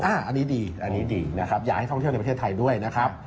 อันนี้ดีอยากให้ทองเที่ยวในประเทศไทยด้วยนะครับ